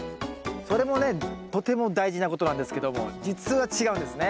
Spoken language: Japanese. それもねとても大事なことなんですけども実は違うんですね。